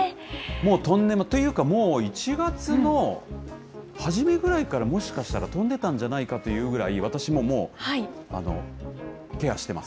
もう飛んでる、っていうか、１月の初めぐらいから、もしかしたら飛んでたんじゃないかというぐらい、私ももうケアしてます。